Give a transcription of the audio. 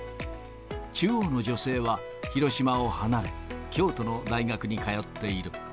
中央の女性は広島を離れ、京都の大学に通っている。